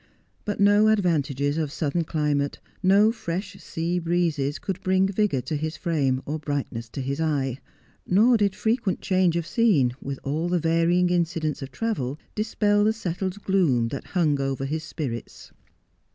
But no advantages of southern climate, no fresh sea breezes could bring vigour to his frame, or brightness to his eye ; nor did frequent change of scene, with all the varying inci dents of travel, dispel the settled gloom that hung over his spirits.